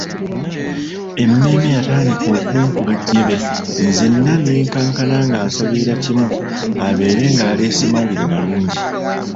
Emmeeme yatandika okunkuba ejjebe nzenna ne nkankana nga nsabirira kimu abeere ng'aleese mawulire malungi.